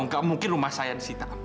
nggak mungkin rumah saya disita